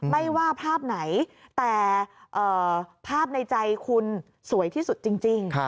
ไม่ว่าภาพไหนแต่ภาพในใจคุณสวยที่สุดจริง